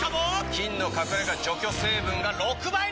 菌の隠れ家除去成分が６倍に！